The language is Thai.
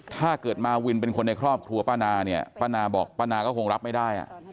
ถ้าเกิดมาวินในครอบครัวป้านาป้านาก็คงรับไม่ได้า